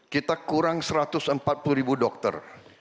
kita kurang satu ratus empat puluh ribu dokter